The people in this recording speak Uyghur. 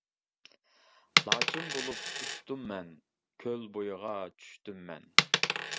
لاچىن بولۇپ ئۇچتۇممەن، كۆل بويىغا چۈشتۈممەن.